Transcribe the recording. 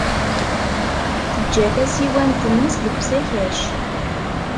Tejja tasiwant-nnes deg usakac.